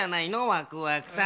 ワクワクさん。